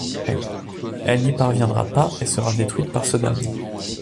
Elle n'y parviendra pas et sera détruite par ce dernier.